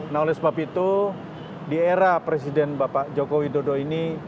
nah oleh sebab itu di era presiden bapak joko widodo ini